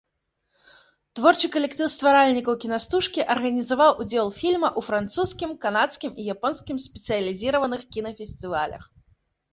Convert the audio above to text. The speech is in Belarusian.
Творчы калектыў стваральнікаў кінастужкі арганізаваў удзел фільма ў французскім, канадскім і японскім спецыялізіраваных кінафестывалях.